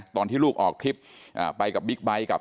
ตอนที่ลูกออกทริปไปกับบิ๊กไบท์กับ